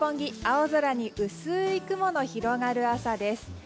青空に薄い雲の広がる朝です。